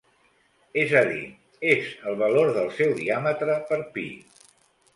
És a dir, és el valor del seu diàmetre per pi.